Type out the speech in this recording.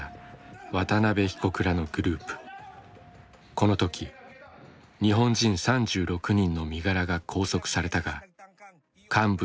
この時日本人３６人の身柄が拘束されたが幹部４人は摘発を逃れた。